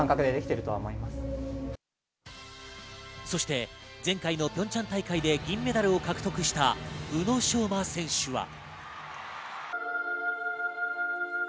そして前回のピョンチャン大会で銀メダルを獲得した宇野昌磨選手は。